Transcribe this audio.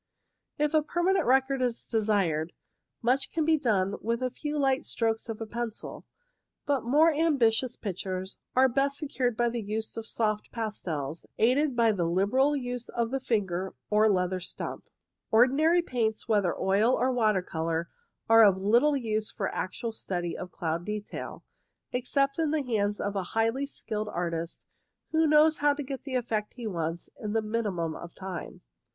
If some permanent record is desired, much can CLOUD RECORDS \^ be done with a few light strokes of a pencil, but more ambitious pictures are best secured by the use of soft pastels, aided by a liberal use of the finger or leather stump. Ordinary paints, whether oil or water colour, are of little use for actual study of cloud detail, except in the hands of a highly skilled artist who knows how to get the effect he wants in the minimum of time.